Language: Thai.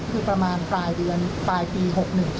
คือประมาณปลายเดือนปลายปี๖๑